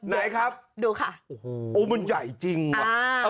ไหนครับดูค่ะโอ้โหมันใหญ่จริงว่ะ